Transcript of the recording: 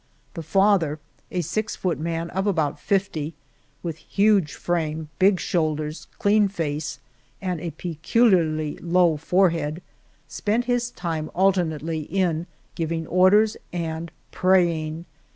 The father, a six foot man of about fifty, with huge frame, big shoulders, clean face, and a peculiarly low forehead, spent his time alternately in giving orders and praying.